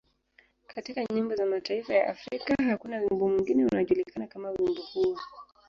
Katika nyimbo za mataifa ya Afrika, hakuna wimbo mwingine unaojulikana kama wimbo huo.